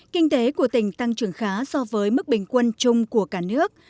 kinh tế của tỉnh tăng trưởng khá so với mức bình quân chung của cả nước